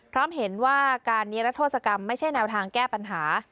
พร้อมเห็นว่าการนิรัทธศกรรมไม่ใช่แนวทางแก้ปัญหา